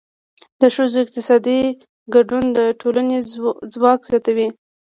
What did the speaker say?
د ښځو اقتصادي ګډون د ټولنې ځواک زیاتوي.